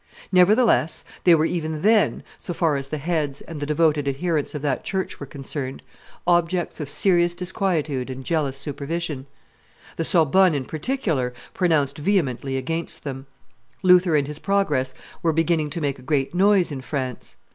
Nevertheless they were even then, so far as the heads and the devoted adherents of that church were concerned, objects of serious disquietude and jealous supervision. [Illustration: William Farel 181] The Sorbonne, in particular, pronounced vehemently against them. Luther and his progress were beginning to make a great noise in France.